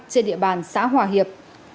trên địa bàn xã hòa hiệp